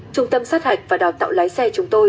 trung tâm sát hạch và đào tạo lái xe chúng tôi